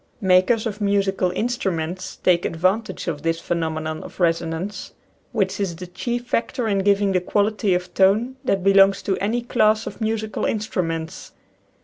Makers of musical instruments take advantage of this phenomenon of resonance, which is the chief factor in giving the quality of tone that belongs to any class of musical instruments.